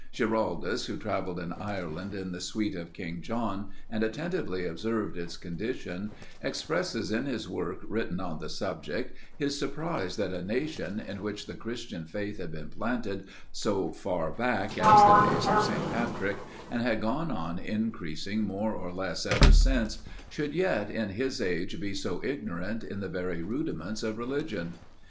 Giraldus, who travelled in Ireland in the suite of King John, and attentively observed its condition, expresses in his work written on the subject, his surprise that a nation, in which the Christian faith had been planted so far back as the days of St. Patrick, and had gone on increasing more or less ever since, should yet in his age be so ignorant in the very rudiments of religion.